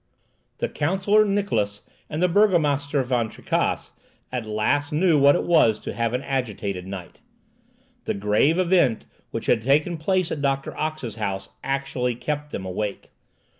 The Counsellor Niklausse and the Burgomaster Van Tricasse at last knew what it was to have an agitated night. The grave event which had taken place at Doctor Ox's house actually kept them awake.